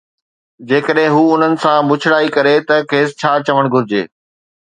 جيڪڏھن ھو انھن سان بڇڙائي ڪري تہ کيس ڇا چوڻ گھرجي؟